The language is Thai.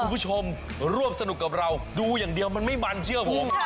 คุณผู้ชมร่วมสนุกกับเราดูอย่างเดียวมันไม่มันเชื่อผม